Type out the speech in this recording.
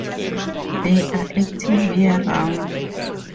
They are active year-round.